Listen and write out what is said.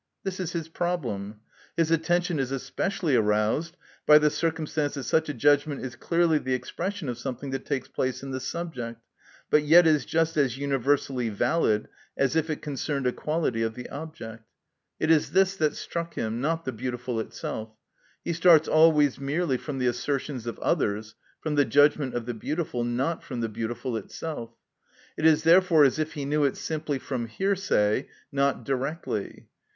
This is his problem. His attention is especially aroused by the circumstance that such a judgment is clearly the expression of something that takes place in the subject, but yet is just as universally valid as if it concerned a quality of the object. It is this that struck him, not the beautiful itself. He starts always merely from the assertions of others, from the judgment of the beautiful, not from the beautiful itself. It is therefore as if he knew it simply from hearsay, not directly.